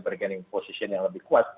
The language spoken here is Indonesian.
bergening position yang lebih kuat